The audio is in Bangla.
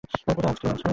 পূজা, আজ কী এনেছে?